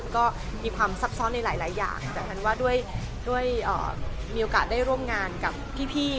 ก็มีความซับซ้อนในหลายอย่างแต่ท่านว่าด้วยมีโอกาสได้ร่วมงานกับพี่